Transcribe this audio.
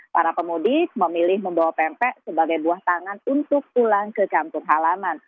para pemudik memilih membawa pempek sebagai buah tangan untuk pulang ke kampung halaman